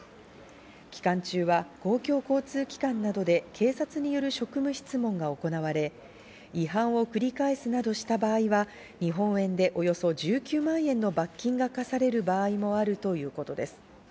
期間中は公共交通機関などで警察による職務質問が行われ、違反を繰り返すなどした場合は、日本円でおよそ１９万円の罰金が科される場合もあるということです。